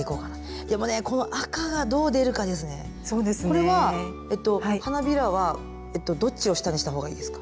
これは花びらはどっちを下にした方がいいですか？